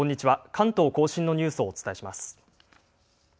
関東甲信のニュースをお伝えします。